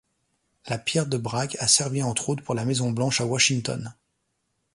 La pierre de Brac a servi entre autres pour la Maison Blanche à Washington.